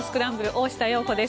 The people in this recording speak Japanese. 大下容子です。